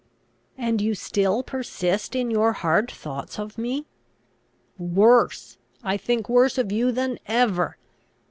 "And you still persist in your hard thoughts of me?" "Worse! I think worse of you than ever!